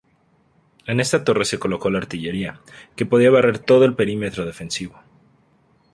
En esta torre se colocó la artillería, que podía barrer todo el perímetro defensivo.